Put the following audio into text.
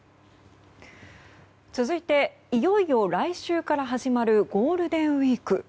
続いていよいよ来週から始まるゴールデンウィーク。